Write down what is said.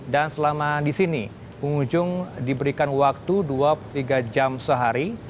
dan selama di sini pengunjung diberikan waktu dua tiga jam sehari